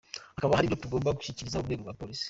Hakaba hari ibyo tugomba gushyikiriza urwego rwa polisi.